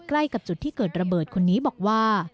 ใกล้กับจุดที่เกิดระเบิดคนนี้บอกว่า